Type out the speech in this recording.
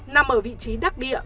nằm ở vị trí đắc địa